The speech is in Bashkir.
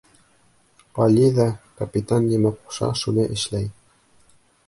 Али ҙа капитан нимә ҡуша, шуны эшләй.